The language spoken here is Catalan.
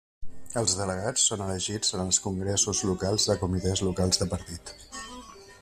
Els delegats són elegits en els congressos locals de comitès locals de partit.